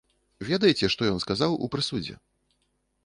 Ведаеце, што ён сказаў у прысудзе?